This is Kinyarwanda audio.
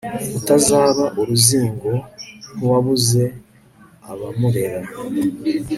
utazaba uruzingo nk'uwabuze abamurera